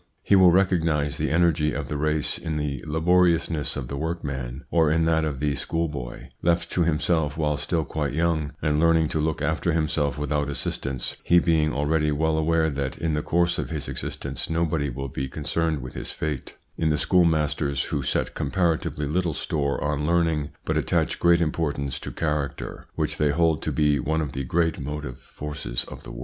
He will recognise the energy of the race in the laboriousness of the workman, or in that of the schoolboy, left to himself while still quite young, and learning to look after himself without assistance, he being already well aware that in the course of his existence nobody will be concerned with his fate ; in the schoolmasters, who set compara tively little store on learning but attach great import ance to character, which they hold to be one of the great motive forces of the world.